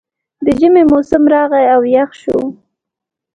د ژمي موسم راغی او یخ شو